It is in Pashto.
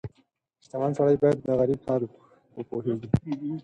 • شتمن سړی باید د غریب حال وپوهيږي.